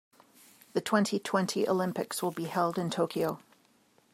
The twenty-twenty Olympics will be held in Tokyo.